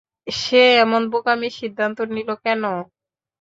সে এমন বোকামি সিদ্ধান্ত নিলো কেন?